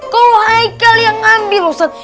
kalau haikal yang ngambil ustadz